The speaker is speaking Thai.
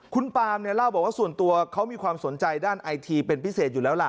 คุณปามเนี่ยเล่าบอกว่าส่วนตัวเขามีความสนใจด้านไอทีเป็นพิเศษอยู่แล้วล่ะ